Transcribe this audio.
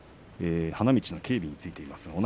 花道の警備についています。